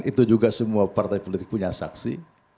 itu juga semua partai politik punya saksi